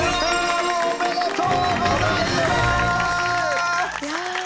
おめでとうございます！